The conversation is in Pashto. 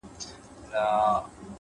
خپل فکرونه د عمل لور ته بوځئ’